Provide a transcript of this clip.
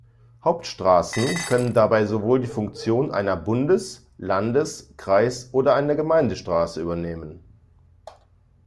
Hauptstraßen können dabei sowohl die Funktion einer Bundes-, Landes-, Kreis- oder einer Gemeindestraße übernehmen.